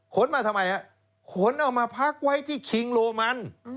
มาทำไมฮะขนเอามาพักไว้ที่คิงโรมัน